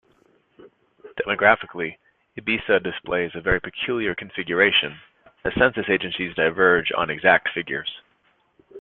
Demographically, Ibiza displays a very peculiar configuration, as census agencies diverge on exact figures.